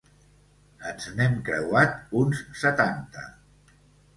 Ens n’hem creuat uns setanta.